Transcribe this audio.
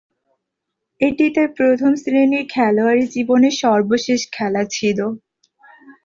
এটিই তার প্রথম-শ্রেণীর খেলোয়াড়ী জীবনের সর্বশেষ খেলা ছিল।